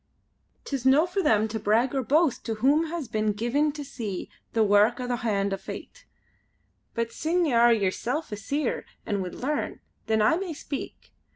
"'Tis no for them to brag or boast to whom has been given to see the wark o' the hand o' Fate. But sine ye are yerself a Seer an' would learn, then I may speak.